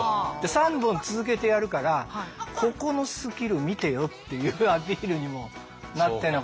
３本続けてやるからここのスキル見てよっていうアピールにもなってるのかな。